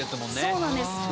そうなんです